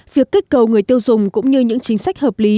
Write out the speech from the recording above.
việc kích cầu người tiêu dùng cũng như những chính sách hợp lý